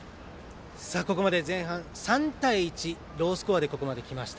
前半３対１、ロースコアでここまできました。